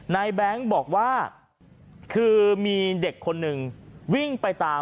แบงค์บอกว่าคือมีเด็กคนหนึ่งวิ่งไปตาม